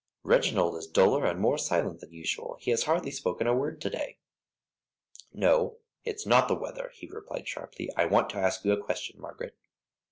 Reginald is duller and more silent than usual, he has hardly spoken a word to day." "No, it's not the weather," he replied, sharply. "I want to ask you a question, Margaret."